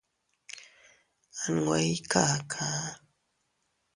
A nwe ii kakaa.